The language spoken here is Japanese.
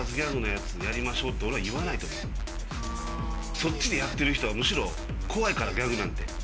そっちでやってる人はむしろ怖いからギャグなんて。